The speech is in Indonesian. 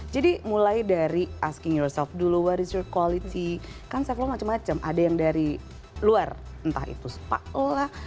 jadi mulai dari asking yourself dulu what is your quality kan self love macem macem ada yang dari luar entah itu sepak lo lah